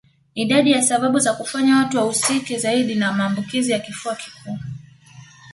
Idadi ya sababu za kufanya watu wahusike zaidi na maambukizi ya kifua kikuu